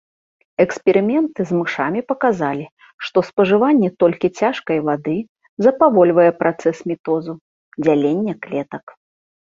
Эксперыменты з мышамі паказалі, што спажыванне толькі цяжкай вады запавольвае працэс мітозу, дзялення клетак.